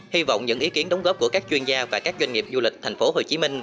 hy vọng những ý kiến đóng góp của các chuyên gia và các doanh nghiệp du lịch tp hcm